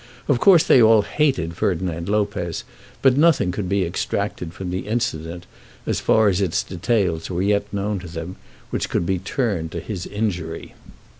Of course they all hated Ferdinand Lopez, but nothing could be extracted from the incident, as far as its details were yet known to them, which could be turned to his injury.